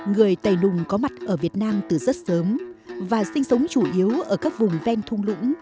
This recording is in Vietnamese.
người tài nùng có mặt ở việt nam từ rất sớm và sinh sống chủ yếu ở các vùng ven thung lũng